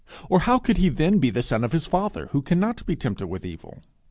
Or how could he then be the Son of his Father who cannot be tempted with evil?